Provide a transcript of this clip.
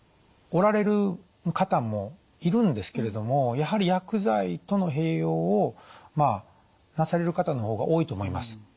おられる方もいるんですけれどもやはり薬剤との併用をなされる方のほうが多いと思います。